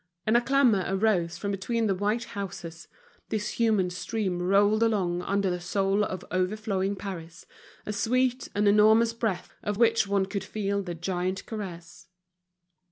And a clamor arose from between the white houses, this human stream rolled along under the soul of overflowing Paris, a sweet and enormous breath, of which one could feel the giant caress.